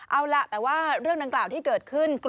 เอาล่ะแต่ว่าเรื่องดังกล่าวที่เกิดขึ้น